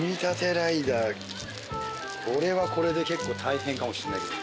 これはこれで結構大変かもしんないけど。